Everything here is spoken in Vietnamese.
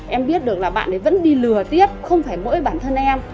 em biết được là bạn ấy vẫn đi lừa tiếp không phải mỗi bản thân em